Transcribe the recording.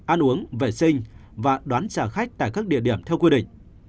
ăn uống vệ sinh và đón trả khách tại các địa điểm theo quy định